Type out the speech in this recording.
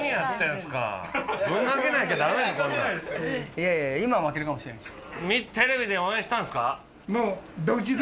いやいや今は負けるかもしれないです。